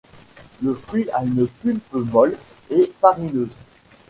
Le fruit a une pulpe molle et farineuse.